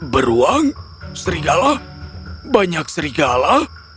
beruang serigala banyak serigala